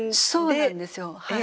そうなんですよはい。